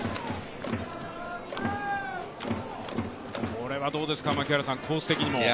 これはどうですか、コース的にも。